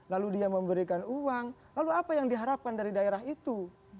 lalu dia memberikan uang lalu apa yang diharapkan dari daerah itu